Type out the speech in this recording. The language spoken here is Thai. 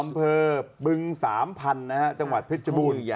อำเภอบึงสามพันธุ์นะฮะจังหวัดเพชรบูรณ์